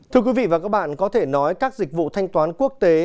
thưa quý vị và các bạn có thể nói các dịch vụ thanh toán quốc tế